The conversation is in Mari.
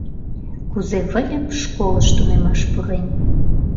КУЗЕ ВЫЛЬЫП ШКОЛЫШ ТУНЕМАШ ПУРЕН